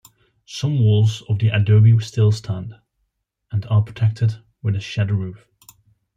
Some walls of the adobe still stand, and are protected with a shed roof.